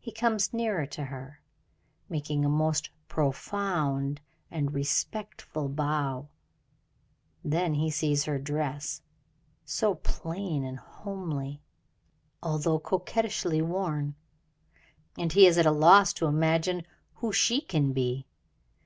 He comes nearer to her, making a most profound and respectful bow. Then he sees her dress, so plain and homely, although coquettishly worn, and he is at a loss to imagine who she can be.